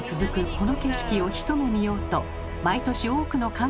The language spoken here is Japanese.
この景色を一目見ようと毎年多くの観光客が訪れるそうです。